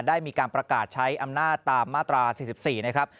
ได้มีการประกาศใช้อำนาจตามมาตรา๔๔นะครับ